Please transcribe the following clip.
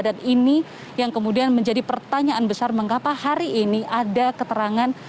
dan ini yang kemudian menjadi pertanyaan besar mengapa hari ini ada keterangan